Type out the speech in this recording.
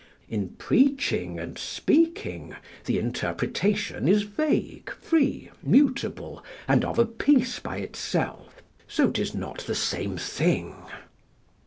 In preaching and speaking the interpretation is vague, free, mutable, and of a piece by itself; so 'tis not the same thing.